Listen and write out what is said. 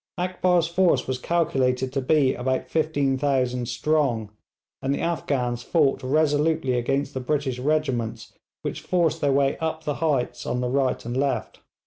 Akbar's force was calculated to be about 15,000 strong, and the Afghans fought resolutely against the British regiments which forced their way up the heights on the right and left.